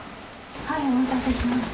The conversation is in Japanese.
はいお待たせしました。